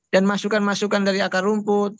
masukan masukan dari akar rumput